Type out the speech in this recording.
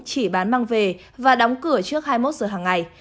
chỉ bán mang về và đóng cửa trước hai mươi một giờ hàng ngày